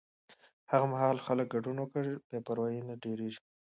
هغه مهال چې خلک ګډون وکړي، بې پروایي نه ډېرېږي.